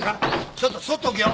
ちょっとそっと置けよ。